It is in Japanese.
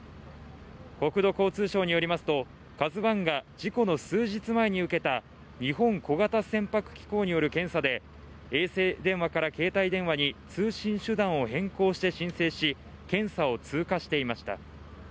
国土交通省によりますと「ＫＡＺＵ１」が事故の数日前に受けた日本小型船舶機構による検査で衛星電話から携帯電話に通信手段を変更して申請し検査を通過していました